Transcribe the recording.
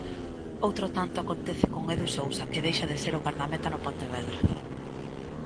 Outro tanto acontece con Edu Sousa, que deixa de ser o gardameta no Pontevedra.